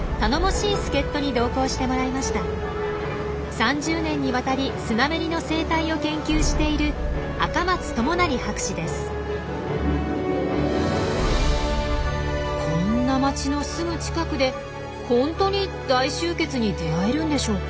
３０年にわたりスナメリの生態を研究しているこんな街のすぐ近くで本当に大集結に出会えるんでしょうか？